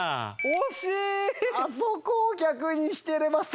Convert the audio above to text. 惜しい！